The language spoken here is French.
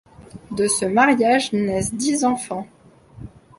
De ce mariage naissent dix enfants.